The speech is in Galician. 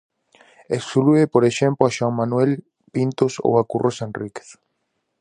Exclúe por exemplo a Xoán Manuel Pintos ou a Curros Enríquez.